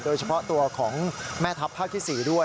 โดยเฉพาะตัวของแม่ทัพภาคที่๔ด้วย